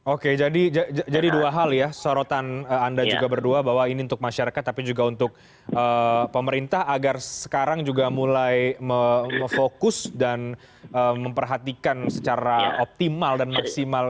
oke jadi dua hal ya sorotan anda juga berdua bahwa ini untuk masyarakat tapi juga untuk pemerintah agar sekarang juga mulai memfokus dan memperhatikan secara optimal dan maksimal